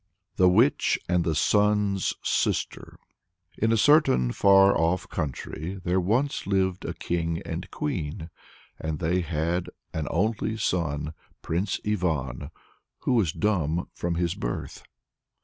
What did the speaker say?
THE WITCH AND THE SUN'S SISTER. In a certain far off country there once lived a king and queen. And they had an only son, Prince Ivan, who was dumb from his birth.